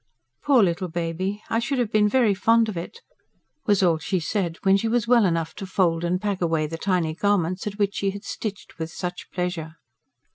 "Poor little baby, I should have been very fond of it," was all she said, when she was well enough to fold and pack away the tiny garments at which she had stitched with such pleasure.